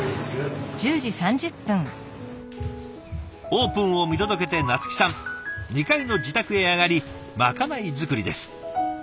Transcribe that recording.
オープンを見届けて菜月さん２階の自宅へ上がりまかない作りです。